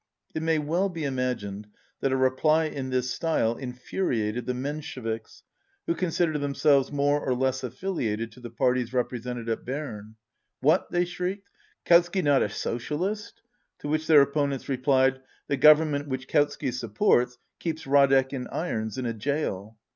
It may well be imagined that a reply in this style infuriated the Mensheviks who consider themselves more or less affiliated to the parties •epresented at Berne. What, they shrieked, Kaut sky not a socialist^ To which their opponents replied, "The Government which Kautsky sup ports keeps Radek in irons in a gaol."